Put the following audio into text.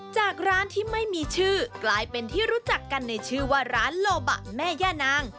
จากร้านที่ไม่มีชื่อกลายเป็นที่รู้จักกันในชื่อว่าร้านโลบะแม่ย่านาง